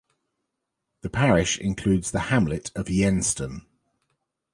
The parish includes the hamlet of Yenston.